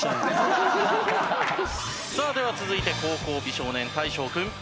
さあでは続いて後攻美少年大昇君。